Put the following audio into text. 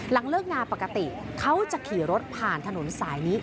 เลิกงานปกติเขาจะขี่รถผ่านถนนสายนี้